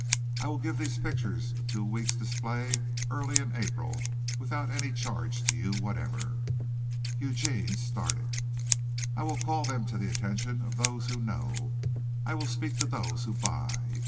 I will give these pictures a two weeks' display early in April without any charge to you whatever." (Eugene started.) "I will call them to the attention of those who know. I will speak to those who buy.